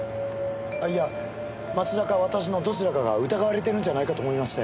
いや町田か私のどちらかが疑われてるんじゃないかと思いまして。